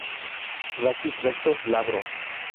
Raquis recto y glabro.